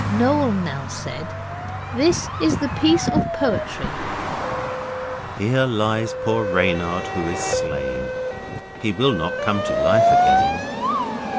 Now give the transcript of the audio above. Noel now said, 'This is the piece of poetry': 'Here lies poor Reynard who is slain, He will not come to life again.